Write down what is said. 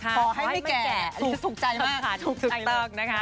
ขอให้ไม่แกะถูกใจมาก